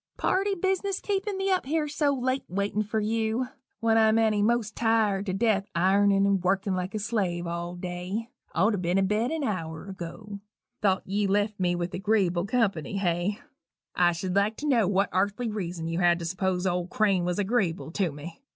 Party business keepin' me up here so late waitin' for you when I'm eny most tired to death ironin' and workin' like a slave all day ought to ben abed an hour ago. Thought ye left me with agreeable company, hey? I should like to know what arthly reason you had to s'pose old Crane was agreeable to me?